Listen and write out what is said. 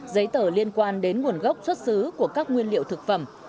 giấy tờ liên quan đến nguồn gốc xuất xứ của các nguyên liệu thực phẩm